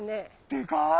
でかい！